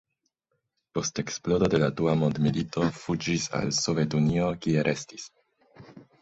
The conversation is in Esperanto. Post eksplodo de la dua mondmilito fuĝis al Sovetunio, kie restis.